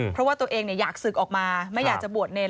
เพราะว่าตัวเองอยากศึกออกมาไม่อยากจะบวชเนร